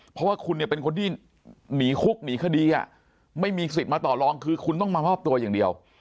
เพราะว่าคุณเนี่ยเป็นคนที่หนีคุกหนีคดีไม่มีสิทธิ์มาต่อรองคือคุณต้องมามอบตัวอย่างเดียว